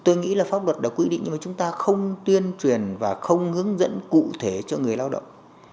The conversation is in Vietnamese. tôi nghĩ là pháp luật đã quy định nhưng mà chúng ta không tuyên truyền và không hướng dẫn cụ thể cho người lao động